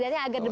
dulu gak gini